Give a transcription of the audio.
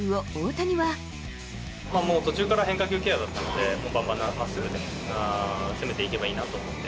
途中から変化球ケアだったので、ばんばんまっすぐで攻めていけばいいなと思って。